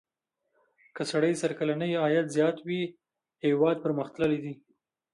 که سړي سر کلنی عاید زیات وي هېواد پرمختللی دی.